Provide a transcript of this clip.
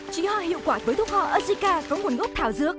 chỉ hoa hiệu quả với thuốc hoa azica có nguồn gốc thảo dưỡng